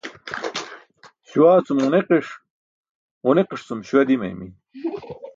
Śuwaa cum ġunikiṣ, ġunikiṣ cum śuwa dimaymi.